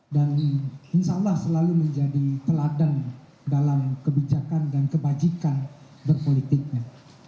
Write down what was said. insya allah selalu menjadi teladan dalam kebijakan dan kebajikan berpolitiknya